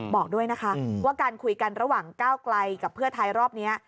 บอกด้วยนะคะว่าการคุยกันระหว่างก้าวไกลกับเพื่อไทยรอบนี้